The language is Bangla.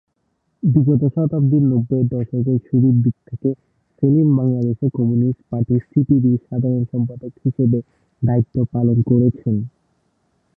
বিগত শতাব্দীর নব্বইয়ের দশকে শুরুর দিক থেকে সেলিম বাংলাদেশের কমিউনিস্ট পার্টি-সিপিবি’র সাধারণ সম্পাদক হিসেবে দায়িত্ব পালন করেছেন।